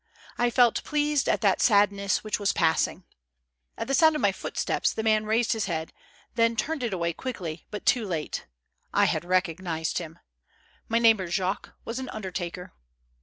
I felt pleased at that sadness which was passing. At the sound of my footsteps, the man raised his head, then turned it away quickly, but too late : I had recognized him. My neighbor Jacques was an undertaker.